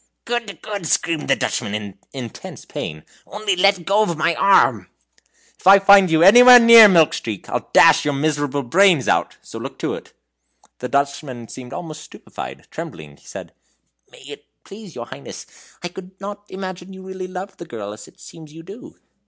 "Good, good," screamed the Dutchman, in intense pain; "only let go my arm." "If I find you anywhere near Milk Street, I'll dash your miserable brains out. So look to it." The Dutchman seemed almost stupefied; trembling, he said: "May it please your Highness, I could not imagine you really loved the girl as it seems you do."